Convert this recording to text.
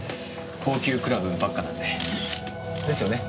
高級クラブばっかなんで。ですよね？